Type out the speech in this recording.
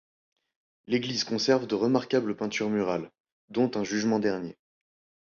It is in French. L'église conserve de remarquables peintures murales, dont un Jugement dernier.